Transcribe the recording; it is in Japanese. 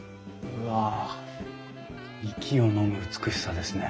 うわあ息をのむ美しさですね。